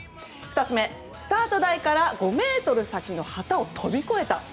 ２つ目、スタート台から５ｍ先の旗を飛び越えた。